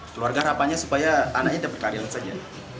keluarga harapannya supaya anaknya tidak berkarya saja